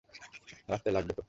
রাস্তায় লাগবে তো।